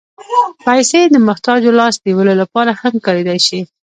پېسې د محتاجو لاس نیولو لپاره هم کارېدای شي.